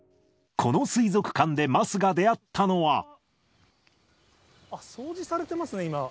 この水族館で桝が出会ったの掃除されていますね、今。